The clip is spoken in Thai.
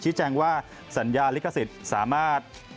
แจ้งว่าสัญญาลิขสิทธิ์สามารถ